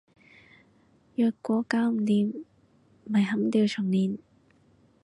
若果搞唔掂，咪砍掉重練